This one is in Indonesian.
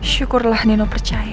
syukurlah nino percaya